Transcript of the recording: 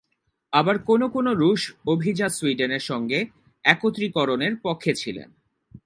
আবার কোনো কোনো রুশ অভিজাত সুইডেনের সঙ্গে একত্রীকরণের পক্ষে ছিলেন।